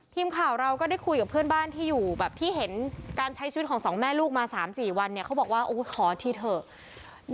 ทีมข่าวเราก็ได้คุยกับเพื่อนบ้านที่อยู่แบบที่เห็นการใช้ชีวิตของสองแม่ลูกมา๓๔วันเนี่ยเขาบอกว่าขอทีเถอะ